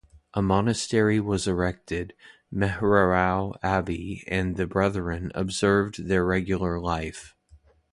A monastery was erected, Mehrerau Abbey, and the brethren observed their regular life.